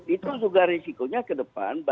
itu juga risikonya ke depan